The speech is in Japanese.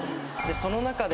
その中で。